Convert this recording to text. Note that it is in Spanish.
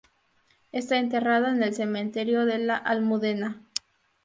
Esta enterrado en el Cementerio de la Almudena.